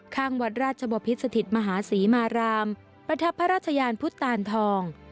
ข้างวัดราชบพิษสถิตมหาศรีมารามประทับพระราชยานพุทธตานทอง